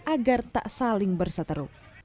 agar tak saling bersateru